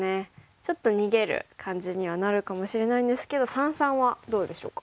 ちょっと逃げる感じにはなるかもしれないんですけど三々はどうでしょうか？